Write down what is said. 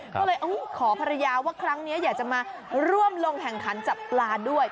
ก็เลยขอภรรยาว่าครั้งนี้อยากจะมาร่วมลงแข่งขันจับปลาด้วย